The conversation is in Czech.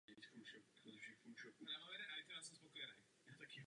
Jeho nejslavnější stavbou je Hlavní nádraží v Helsinkách.